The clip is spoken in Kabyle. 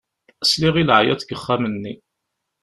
Sliɣ i leɛyaḍ deg uxxam-nni.